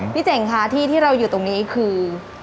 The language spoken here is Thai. เจ๋งค่ะที่ที่เราอยู่ตรงนี้คือ